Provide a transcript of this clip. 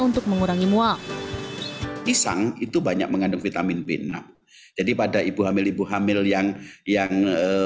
untuk mengurangi mual pisang itu banyak mengandung vitamin b jadi pada ibu hamil ibu hamil yang yang